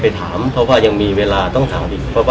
พี่แจงในประเด็นที่เกี่ยวข้องกับความผิดที่ถูกเกาหา